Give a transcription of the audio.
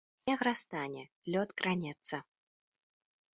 Снег растане, лёд кранецца.